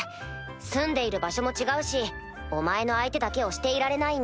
住んでいる場所も違うしお前の相手だけをしていられないんだ。